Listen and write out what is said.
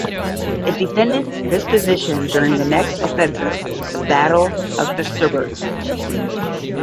It defended this position during the next offensive (the Battle of Festubert).